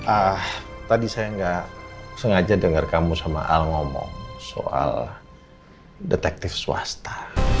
ah tadi saya nggak sengaja dengar kamu sama al ngomong soal detektif swasta